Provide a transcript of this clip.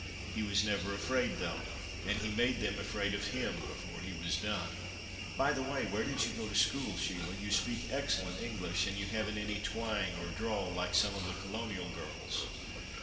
He was never afraid, though, and he made them afraid of him before he was done." "By the way, where did you go to school, Sheila? You speak excellent English, and you haven't any twang or drawl, like some of the colonial girls."